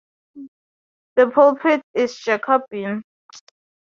The pulpit is Jacobean.